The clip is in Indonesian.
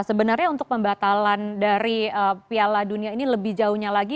sebenarnya untuk pembatalan dari piala dunia ini lebih jauhnya lagi